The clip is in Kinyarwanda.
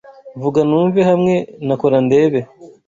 Vuga numve hamwe na kora ndebe